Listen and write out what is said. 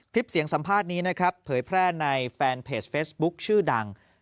คลิปเสียงสัมภาษณ์นี้นะครับเผยแพร่ในแฟนเพจเฟซบุ๊คชื่อดัง